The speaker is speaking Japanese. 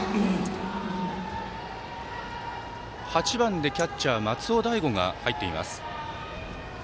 ８番でキャッチャー、松尾大悟が入っています。